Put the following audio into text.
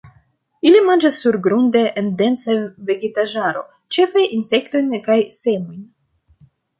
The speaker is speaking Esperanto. Ili manĝas surgrunde en densa vegetaĵaro, ĉefe insektojn kaj semojn.